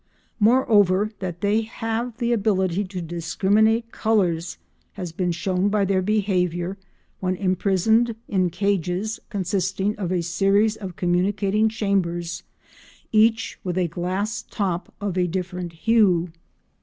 Moreover that they have the ability to discriminate colours has been shown by their behaviour when imprisoned in cages consisting of a series of communicating chambers each with a glass top of a different hue.